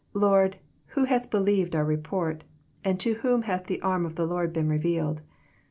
Lord, who hath believed our report ? and to whom hath the arm of the Lord been revealed